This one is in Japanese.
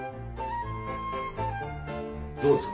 どうですか？